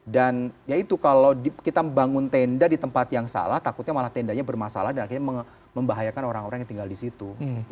dan ya itu kalau kita membangun tenda di tempat yang salah takutnya malah tendanya bermasalah dan akhirnya membahayakan orang orang yang tinggal di situ